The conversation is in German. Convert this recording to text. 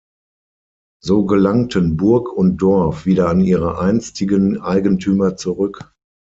So gelangten Burg und Dorf wieder an ihre einstigen Eigentümer zurück.